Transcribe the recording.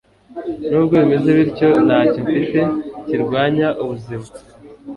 nubwo bimeze bityo, ntacyo mfite kirwanya ubuzima